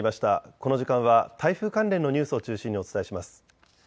この時間は台風関連のニュースを中心にお伝えします。